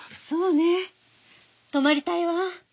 そうね泊まりたいわ。